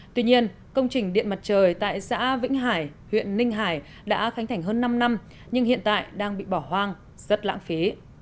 tuy nhiên công trình điện mặt trời tại xã vĩnh hải huyện ninh hải đã khánh thành hơn năm năm nhưng hiện tại đang bị bỏ hoang rất lãng phí